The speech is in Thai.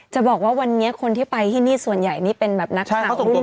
จะบอกว่าวันนี้คนที่ไปที่นี่ส่วนใหญ่นี่เป็นแบบนักข่าวรุ่น